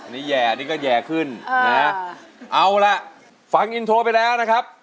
นี่แย่นี่ก็แย่ขึ้นนะเอาล่ะฟังอินโทรไปแล้วนะครับ